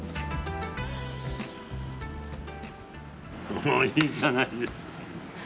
おおいいじゃないですか。